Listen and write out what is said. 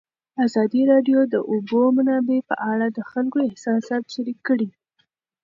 ازادي راډیو د د اوبو منابع په اړه د خلکو احساسات شریک کړي.